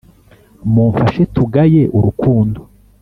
Mumfashe tugaye urukundo